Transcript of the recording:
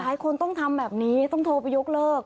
หลายคนต้องทำแบบนี้ต้องโทรไปยกเลิก